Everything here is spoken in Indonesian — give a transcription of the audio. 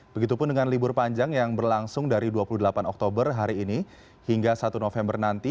begitupun dengan libur panjang yang berlangsung dari dua puluh delapan oktober hari ini hingga satu november nanti